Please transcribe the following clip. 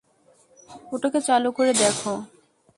ওটাকে চালু করে দেখো।